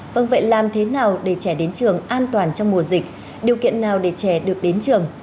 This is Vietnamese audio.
vâng vậy làm thế nào để trẻ đến trường an toàn trong mùa dịch điều kiện nào để trẻ được đến trường